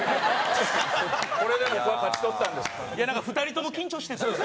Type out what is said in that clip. これで僕は勝ち取ったんです。